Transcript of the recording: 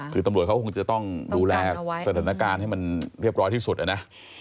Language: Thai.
คือตำรวจเขาคงจะต้องดูแลสถานการณ์ให้มันเรียบร้อยที่สุดนะ